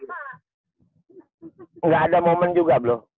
nggak ada momen juga belum